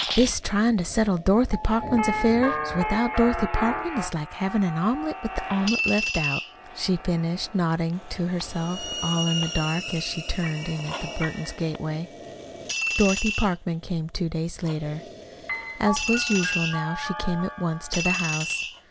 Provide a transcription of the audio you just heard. "This tryin' to settle Dorothy Parkman's affairs without Dorothy Parkman is like havin' omelet with omelet left out," she finished, nodding to herself all in the dark, as she turned in at the Burton gateway. Dorothy Parkman came two days later. As was usual now she came at once to the house.